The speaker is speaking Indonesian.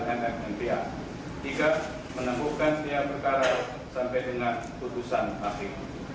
tiga menemukan setiap perkara sampai dengan putusan hakim